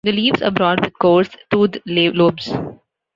The leaves are broad with coarse, toothed lobes.